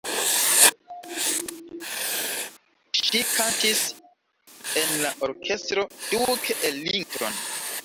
Ŝi kantis en la Orkestro Duke Ellington.